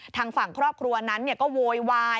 ทางฝั่งครอบครัวนั้นก็โวยวาย